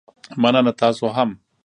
مننه، تاسو هم